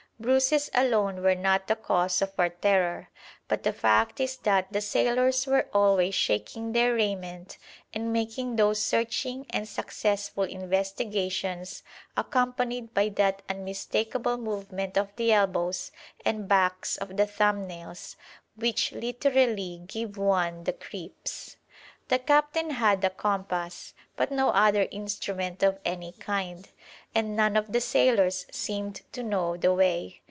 Bruises alone were not the cause of our terror, but the fact is that the sailors were always shaking their raiment and making those searching and successful investigations, accompanied by that unmistakable movement of the elbows and backs of the thumb nails, which literally 'give one the creeps.' The captain had a compass, but no other instrument of any kind, and none of the sailors seemed to know the way.